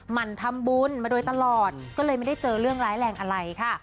มันทำบุญมาโดยตลอดก็เลยไม่ได้เจอเรื่องร้ายแรงอะไรค่ะ